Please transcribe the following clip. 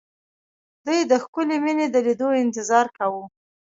دوی د ښکلې مينې د ليدو انتظار کاوه